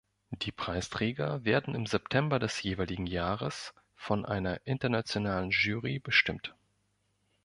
Die Preisträger werden im September des jeweiligen Jahres von einer internationalen Jury bestimmt.